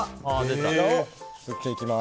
こちらをすっていきます。